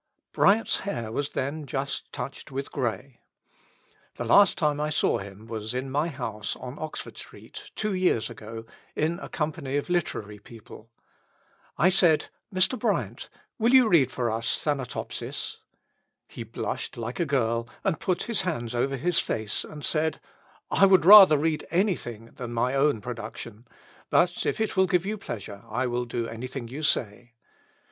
Bryant's hair was then just touched with grey. The last time I saw him was in my house on Oxford Street, two years ago, in a company of literary people. I said: "Mr. Bryant, will you read for us 'Thanatopsis'?" He blushed like a girl, and put his hands over his face and said: "I would rather read anything than my own production; but if it will give you pleasure I will do anything you say."